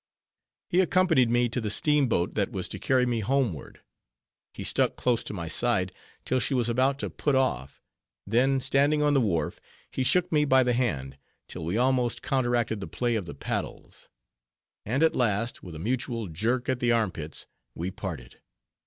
He accompanied me to the steamboat, that was to carry me homeward; he stuck close to my side, till she was about to put off; then, standing on the wharf, he shook me by the hand, till we almost counteracted the play of the paddles; and at last, with a mutual jerk at the arm pits, we parted.